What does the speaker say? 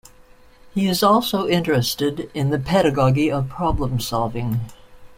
He is also interested in the pedagogy of problem-solving.